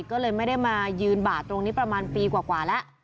ก็เลยไม่ได้มายืนบาดตรงนี้ประมาณปีกว่าแล้ว